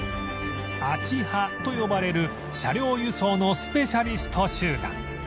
「アチハ」と呼ばれる車両輸送のスペシャリスト集団